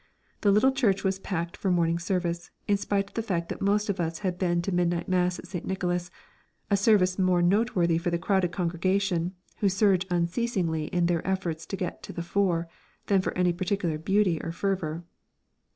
The little church was packed for morning service, in spite of the fact that most of us had been to midnight mass at St. Nicholas, a service more noteworthy for the crowded congregation who surge unceasingly in their efforts to get to the fore than for any particular beauty or fervour.